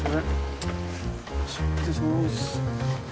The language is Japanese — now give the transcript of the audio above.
失礼します。